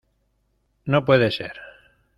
no puede ser.